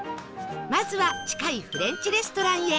まずは近いフレンチレストランへ